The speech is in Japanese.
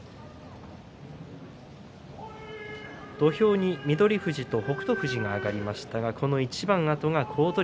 土俵に翠富士と北勝富士が上がりました。